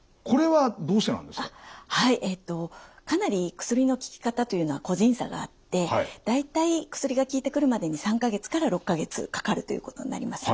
はいかなり薬の効き方というのは個人差があって大体薬が効いてくるまでに３か月から６か月かかるということになります。